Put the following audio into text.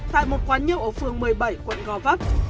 tại một quán nhậu ở phường một mươi bảy quận gò vấp